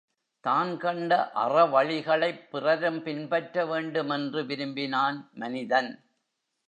தான் கண்ட அறவழிகளைப் பிறரும் பின்பற்ற வேண்டும் என்று விரும்பினான் மனிதன்.